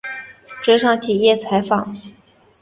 职场体验参访